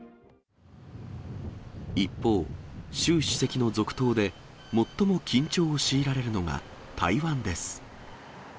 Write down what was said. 一方、習主席の続投で、最も緊張を強いられるのが台湾です。